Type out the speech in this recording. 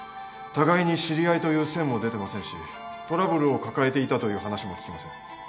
互いに知り合いという線も出てませんしトラブルを抱えていたという話も聞きません。